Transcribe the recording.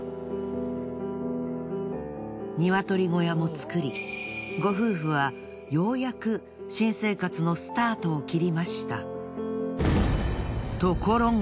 ニワトリ小屋も作りご夫婦はようやく新生活のスタートを切りました。